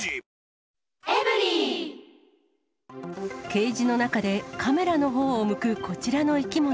ケージの中で、カメラのほうを向くこちらの生き物。